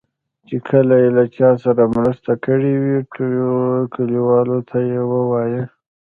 چې کله یې له چا سره مرسته کړې وي ټولګیوالو ته یې ووایي.